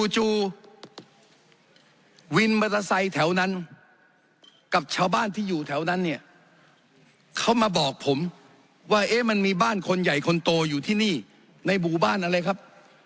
จู่วินมอเตอร์ไซค์แถวนั้นกับชาวบ้านที่อยู่แถวนั้นเนี่ยเขามาบอกผมว่ามันมีบ้านคนใหญ่คนโตอยู่ที่นี่ในหมู่บ้านอะไรครับ